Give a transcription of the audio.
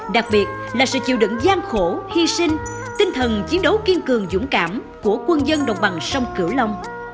đặc biệt là sự chịu đựng gian khổ hy sinh tinh thần chiến đấu kiên cường dũng cảm của quân dân đồng bằng sông cửu long